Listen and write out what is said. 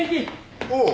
おう。